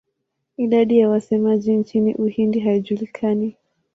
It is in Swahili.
Idadi ya wasemaji nchini Uhindi haijulikani.